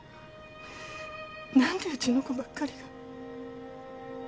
何でうちの子ばっかりが。